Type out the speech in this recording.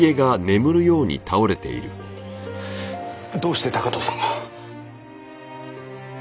どうして高塔さんが。